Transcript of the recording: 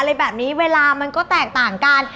อะไรแบบนี้เวลามันก็แตกต่างกัน